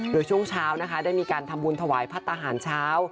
โดยช่วงเช้านะคะได้มีการทำบุญถวายพระทหารเช้า